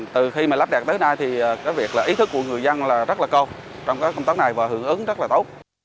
từ khi lắp đặt tới nay ý thức của người dân rất là cao trong công tác này và hưởng ứng rất là tốt